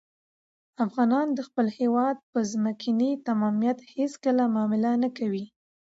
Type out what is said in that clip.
افغانان د خپل هېواد په ځمکنۍ تمامیت هېڅکله معامله نه کوي.